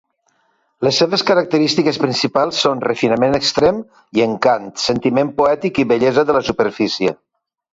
Les seves característiques principals són refinament extrem i encant, sentiment poètic i bellesa de la superfície.